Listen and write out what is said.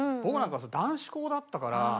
僕なんかさ男子校だったから。